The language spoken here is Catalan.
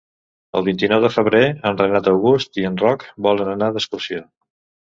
El vint-i-nou de febrer en Renat August i en Roc volen anar d'excursió.